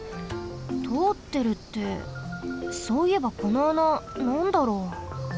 とおってるってそういえばこの穴なんだろう？